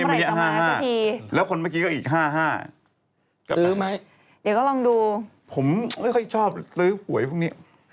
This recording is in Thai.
โอ๊ยเมื่อวานมายูไม่สบายน่าจะเกินแล้วนะ